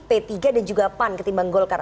p tiga dan juga pan ketimbang golkar